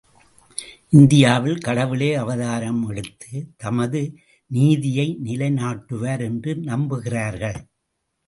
இந்தியாவில் கடவுளே அவதாரம் எடுத்து தமது நீதியை நிலைநாட்டுவார் என்று நம்புகிறார்கள்.